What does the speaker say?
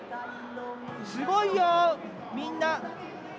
すごいよ、みんな！